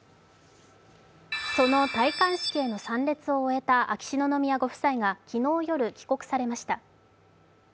その戴冠式への参列を終えた秋篠宮ご夫妻が昨日夜、帰国されました。